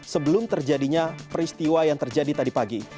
sebelum terjadinya peristiwa yang terjadi tadi pagi